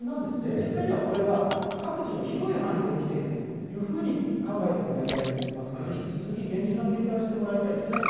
実際には、これが各地の広い範囲で起きていると考えてもらいたいと思いますので引き続き厳重な警戒をしてもらいたいです。